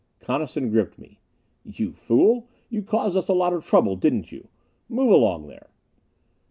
Coniston gripped me. "You fool! You caused us a lot of trouble, didn't you? Move along there!"